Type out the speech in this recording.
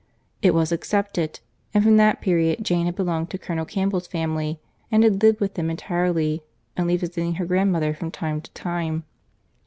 It was accepted; and from that period Jane had belonged to Colonel Campbell's family, and had lived with them entirely, only visiting her grandmother from time to time.